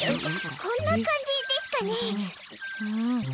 こんな感じですかね。